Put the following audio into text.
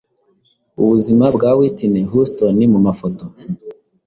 Ubuzima bwa Whitney Houston mu mafoto